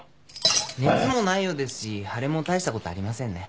熱もないようですし腫れも大したことありませんね。